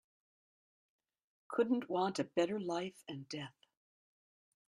Couldn't want a better life and death.